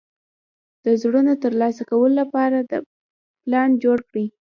د زړونو ترلاسه کولو لپاره پلان جوړ کړ.